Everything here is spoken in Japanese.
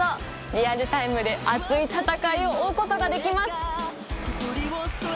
リアルタイムで熱い戦いを追うことができます！